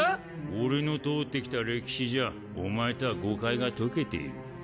俺の通ってきた歴史じゃお前とは誤解が解けている。